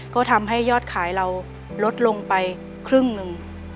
ก็ทำให้ยอดขายเราลดลงไปครึ่งหนึ่ง